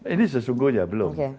ini sesungguhnya belum